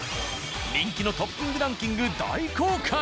人気のトッピングランキング大公開。